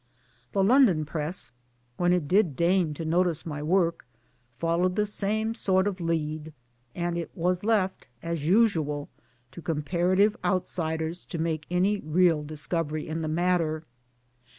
The London Press when it did deign to notice my work followed the same sort of lead ; and it was left (as usual) to comparative outsiders to make any real discovery in the matter.